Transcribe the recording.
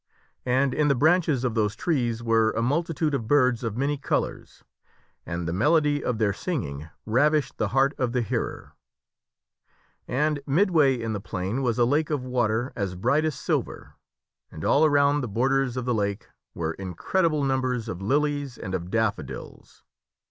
And in the branches of those trees were a multitude of birds of many colors, and the melody of their singing ravished the heart of the hearer. And midway in the plain was a lake of water as bright as silver, and all around the borders of the lake were incredible Kin Arthur num ^ ers f lilies and of daffodils.